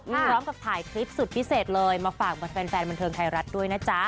พร้อมกับถ่ายคลิปสุดพิเศษเลยมาฝากแฟนบันเทิงไทยรัฐด้วยนะจ๊ะ